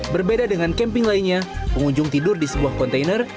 berbeda dengan camping lainnya pengunjung tidur di sebuah kontainer